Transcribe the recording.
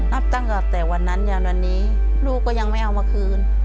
นับตั้งแต่วันนั้นยันวันนี้ลูกก็ยังไม่เอามาคืน